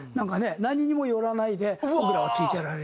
何にも寄らないで僕らは聴いていられるっていうか。